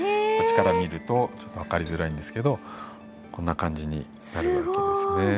こっちから見るとちょっと分かりづらいんですけどこんな感じになるわけですね。